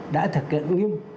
đã thực hiện nghiêm